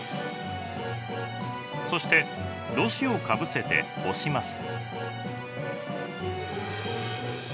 そしてろ紙をかぶせて押します。